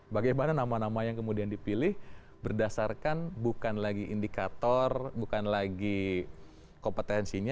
bagaimana nama nama yang kemudian dipilih berdasarkan bukan lagi indikator bukan lagi kompetensinya